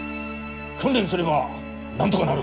訓練すればなんとがなる。